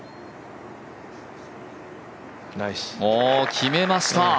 決めました。